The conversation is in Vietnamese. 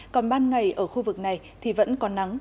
còn ban ngày ở khu vực này thì vẫn còn nắng